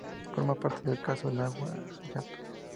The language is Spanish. Forma parte del Caso Lava Jato.